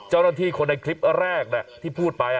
เจ้าหน้าที่คนในคลิปแรกที่พูดไป